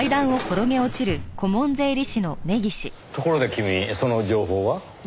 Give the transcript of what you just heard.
ところで君その情報は？